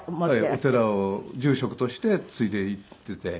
お寺を住職として継いでいっていて。